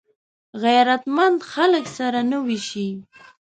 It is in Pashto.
غیرتمند خلک سره نه وېشي